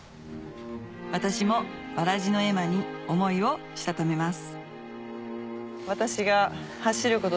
私もわらじの絵馬に思いをしたためます